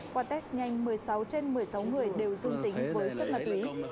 qua test nhanh một mươi sáu trên một mươi sáu người đều dương tính với chất ma túy